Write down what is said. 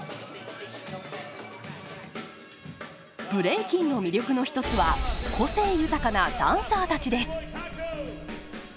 ブレイキンの魅力の一つは個性豊かなダンサーたちです。